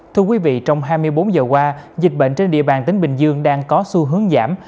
thưa quý vị trong hai mươi bốn giờ qua dịch bệnh trên địa bàn tỉnh bình dương đang có xu hướng giảm